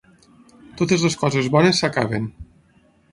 Totes les coses bones s'acaben.